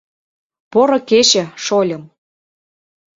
— Поро кече, шольым!